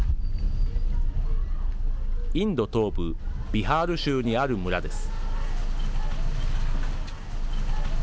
インド東部ビハール州にある村です。